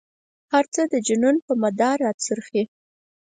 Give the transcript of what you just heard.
هر څه د جنون په مدار را څرخي.